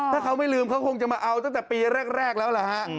ถ้าเขาไม่ลืมเขาคงจะมาเอาตั้งแต่ปีแรกแล้วล่ะฮะ